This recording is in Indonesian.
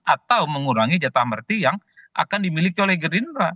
atau mengurangi jatah merti yang akan dimiliki oleh gerindra